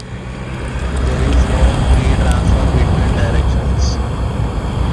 There is no free transfer between directions.